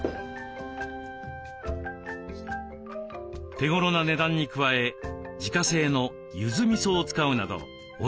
手頃な値段に加え自家製のゆずみそを使うなどおいしさは抜群。